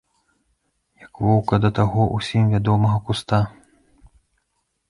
Як воўка да таго, усім вядомага куста.